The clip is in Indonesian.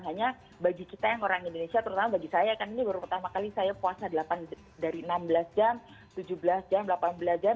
hanya bagi kita yang orang indonesia terutama bagi saya kan ini baru pertama kali saya puasa dari enam belas jam tujuh belas jam delapan belas jam